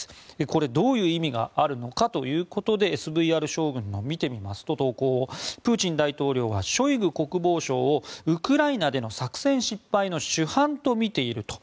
これ、どういう意味があるかということでＳＶＲ将軍の投稿を見てみますとプーチン大統領はショイグ国防相をウクライナでの作戦失敗の主犯と見ていると。